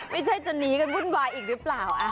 จะหนีกันวุ่นวายอีกหรือเปล่า